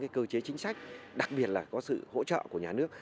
có những cơ chế chính sách đặc biệt là có sự hỗ trợ của nhà nước